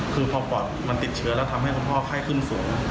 คือพอปอดมันติดเชื้อแล้วทำให้คุณพ่อไข้ขึ้นสูง